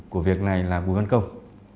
của việc này là bùi văn công